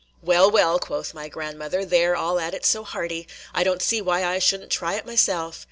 "Well, well!" quoth my grandmother; "they 're all at it so hearty, I don't see why I should n't try it myself."